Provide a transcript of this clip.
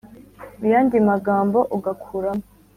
mu yandi magambo ugakuramo .